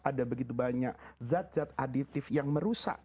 ada begitu banyak zat zat aditif yang merusak